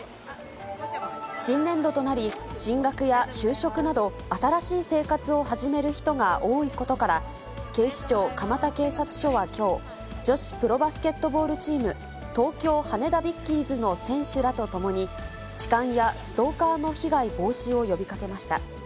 新年度となり、進学や就職など、新しい生活を始める人が多いことから、警視庁蒲田警察署はきょう、女子プロバスケットボールチーム、東京羽田ヴィッキーズの選手らと共に、痴漢やストーカーの被害防止を呼びかけました。